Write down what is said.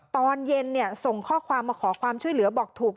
ตอนเย็นส่งข้อความมาขอความช่วยเหลือบอกถูก